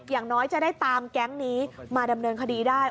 อย่างน้อยจะได้ตามแก๊งนี้มาดำเนินคดีได้